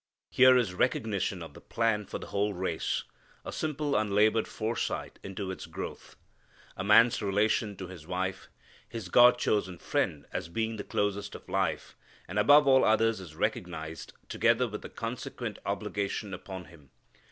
Here is recognition of the plan for the whole race, a simple unlabored foresight into its growth. A man's relation to his wife, his God chosen friend, as being the closest of life, and above all others is recognized, together with the consequent obligation upon him.